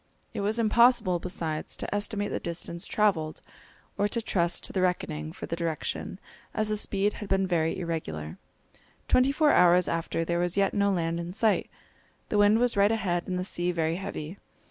It was impossible, besides, to estimate the distance traversed, or to trust to the reckoning for the direction, as the speed had been very irregular. Twenty four hours after there was yet no land in sight. The wind was right ahead and the sea very heavy.